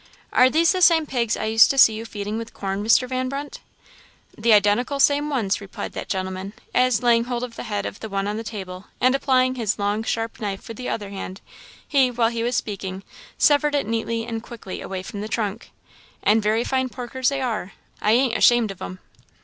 "Are these the same pigs I used to see you feeding with corn, Mr. Van Brunt?" "The identical same ones," replied that gentleman, as, laying hold of the head of the one on the table, and applying his long sharp knife with the other hand, he, while he was speaking, severed it neatly and quickly from the trunk. "And very fine porkers they are; I ain't ashamed of 'em."